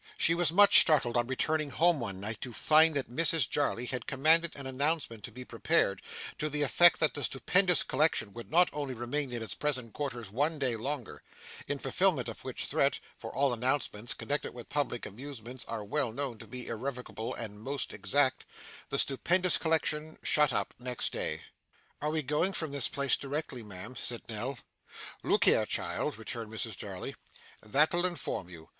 She was much startled, on returning home one night, to find that Mrs Jarley had commanded an announcement to be prepared, to the effect that the stupendous collection would only remain in its present quarters one day longer; in fulfilment of which threat (for all announcements connected with public amusements are well known to be irrevocable and most exact), the stupendous collection shut up next day. 'Are we going from this place directly, ma'am?' said Nell. 'Look here, child,' returned Mrs Jarley. 'That'll inform you.